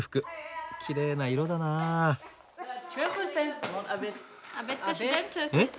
きれいな色だな。え？